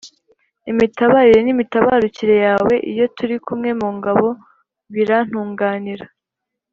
imitabarire n’imitabarukire yawe iyo turi kumwe mu ngabo birantunganira